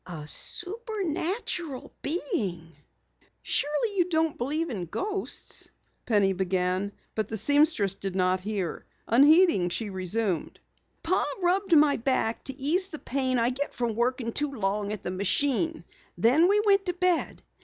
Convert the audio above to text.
"A supernatural being." "Surely you don't believe in ghosts...?" Penny began, but the seamstress did not hear. Unheeding, she resumed: "Pa rubbed my back to ease the pain I get from working too long at the machine. Then we went to bed.